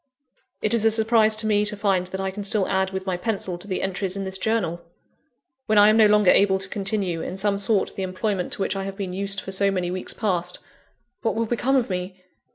It is a surprise to me to find that I can still add with my pencil to the entries in this Journal! When I am no longer able to continue, in some sort, the employment to which I have been used for so many weeks past, what will become of me?